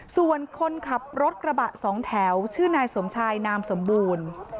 ส่วนคนขับรถกระบะสองแถวชื่อนายสมชายนามสมบูรณ์